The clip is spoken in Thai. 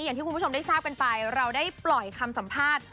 อย่างที่คุณผู้ชมได้ทราบกันไปเราได้ปล่อยคำสัมภาษณ์